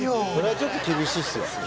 塙：ちょっと厳しいですよ。